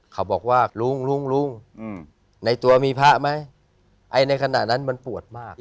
เขาบอกว่าลุงลุงในตัวมีพระไหมไอ้ในขณะนั้นมันปวดมาก